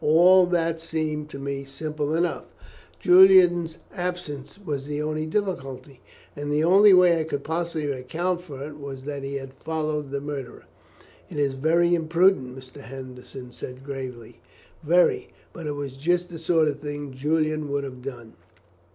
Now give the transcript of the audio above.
All that seemed to me simple enough; Julian's absence was the only difficulty, and the only way I could possibly account for it, was that he had followed the murderer." "It was very imprudent," Mr. Henderson said gravely. "Very; but it was just the sort of thing Julian would have done."